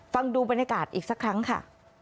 ฟังดูบรรยากาศอีกสักครั้งค่ะ